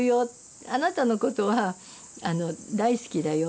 あなたのことは大好きだよ